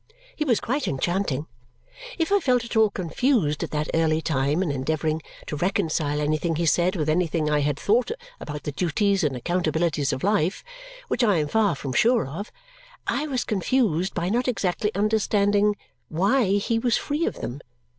He was quite enchanting. If I felt at all confused at that early time in endeavouring to reconcile anything he said with anything I had thought about the duties and accountabilities of life (which I am far from sure of), I was confused by not exactly understanding why he was free of them.